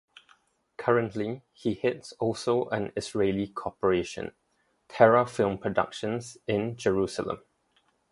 Currently, he heads also an Israeli corporation, Terra Film Productions in Jerusalem.